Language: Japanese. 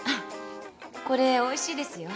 これおいしいですよ。